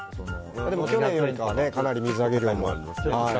去年よりかはかなり水揚げ量も。